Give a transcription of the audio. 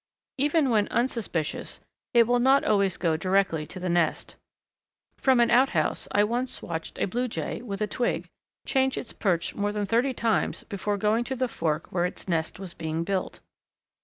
Even when unsuspicious it will not always go directly to the nest. From an outhouse I once watched a Blue Jay, with a twig, change its perch more than thirty times before going to the fork where its nest was being built.